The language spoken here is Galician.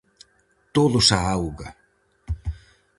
Todos á auga!